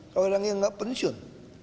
kalau orangnya nggak pensiun